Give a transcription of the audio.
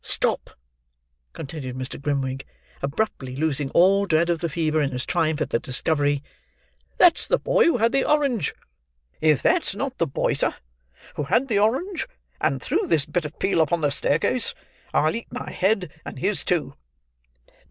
Stop—" continued Mr. Grimwig, abruptly, losing all dread of the fever in his triumph at the discovery; "that's the boy who had the orange! If that's not the boy, sir, who had the orange, and threw this bit of peel upon the staircase, I'll eat my head, and his too."